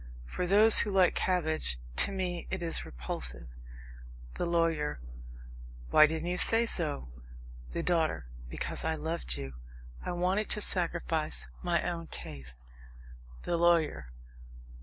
For those who like cabbage to me it is repulsive. THE LAWYER. Why didn't you say so? THE DAUGHTER. Because I loved you. I wanted to sacrifice my own taste. THE LAWYER.